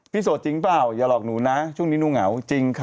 โสดจริงเปล่าอย่าหลอกหนูนะช่วงนี้หนูเหงาจริงค่ะ